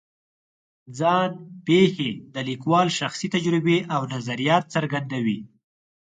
ځان پېښې د لیکوال شخصي تجربې او نظریات څرګندوي.